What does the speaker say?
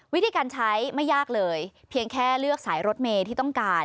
วิธีการใช้ไม่ยากเลยเพียงแค่เลือกสายรถเมย์ที่ต้องการ